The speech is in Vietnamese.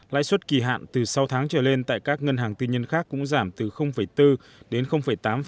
lãi suất kỳ hạn từ sáu tháng trở lên tại các ngân hàng tư nhân khác cũng giảm từ bốn đến tám